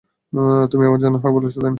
তুমি আমার জন্যই হ্যাঁ বলেছো, তাই না?